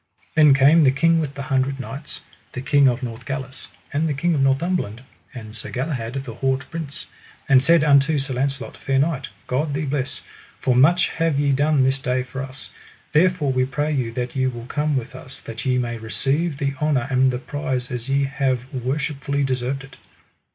Then came the King with the Hundred Knights, the King of Northgalis, and the King of Northumberland, and Sir Galahad, the haut prince, and said unto Sir Launcelot: Fair knight, God thee bless, for much have ye done this day for us, therefore we pray you that ye will come with us that ye may receive the honour and the prize as ye have worshipfully deserved it.